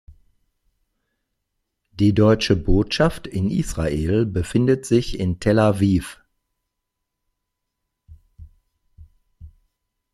Die Deutsche Botschaft in Israel befindet sich in Tel Aviv.